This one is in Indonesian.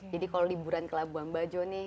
jadi kalau liburan ke labuan bajo nih